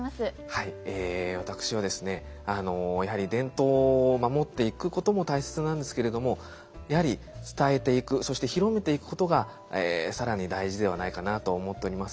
はい私はですねやはり伝統を守っていくことも大切なんですけれどもやはり伝えていくそして広めていくことが更に大事ではないかなと思っております。